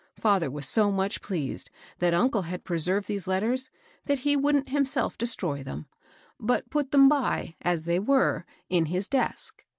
Father was so much pleased that uncle had pre served these letters, that he wouldn't himself de stroy them, but put them by, as they were, in his desk.